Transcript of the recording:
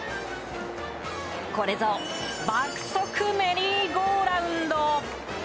これぞ爆速メリーゴーラウンド。